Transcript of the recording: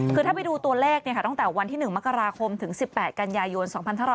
คือถ้าไปดูตัวเลขตั้งแต่วันที่๑มกราคมถึง๑๘กันยายน๒๕๖๐